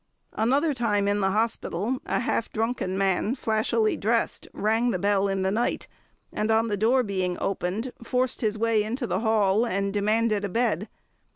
Another time in the hospital, a half drunken man, flashily dressed, rang the bell in the night, and on the door being opened forced his way into the hall, and demanded a bed.